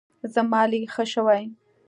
زما لیک ښه شوی.